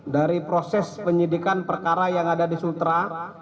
dari proses penyidikan perkara yang ada di sultra